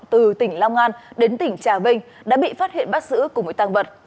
từ tỉnh long an đến tỉnh trà vinh đã bị phát hiện bắt giữ của một tăng vật